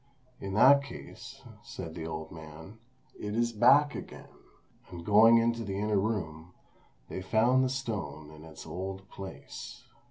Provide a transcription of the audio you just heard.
"In that case," said the old man, "it is back again;" and going into the inner room, they found the stone in its old place.